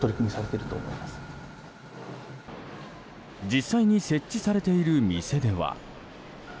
実際に設置されている店では。